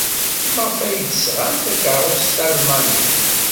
Maɣef ay d-sɣant takeṛṛust talmanit?